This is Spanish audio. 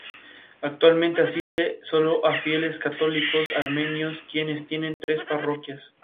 Uno de los primeros cómicos en alcanzar popularidad en la cinematografía mexicana.